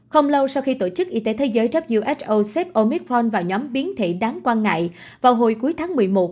không lâu sau khi tổ chức y tế thế giới who xếp omitron vào nhóm biến thể đáng quan ngại vào hồi cuối tháng một mươi một